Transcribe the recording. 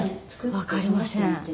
わかりません。